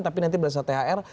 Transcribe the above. tapi nanti berdasarkan thr